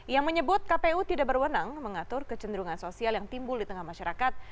yang menyebut kpu tidak berwenang mengatur kecenderungan sosial yang timbul di tengah masyarakat